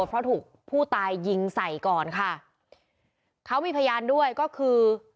เพราะถูกผู้ตายยิงใส่ก่อนค่ะเขามีพยานด้วยก็คือ